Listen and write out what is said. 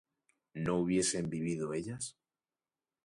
¿no hubiesen vivido ellas?